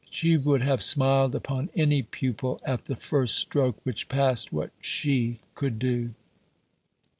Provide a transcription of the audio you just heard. She would have smiled upon any pupil "at the first stroke which passed what she could do."